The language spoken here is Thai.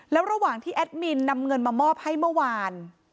แล้วระหว่างที่แอดมินนำเงินมามอบให้เมื่อวาน